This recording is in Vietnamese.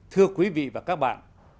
thưa quý vị và các bạn